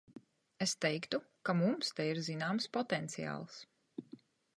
Es teiktu, ka mums te ir zināms potenciāls.